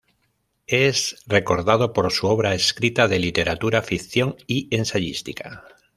Es recordado por su obra escrita de literatura ficción y ensayística.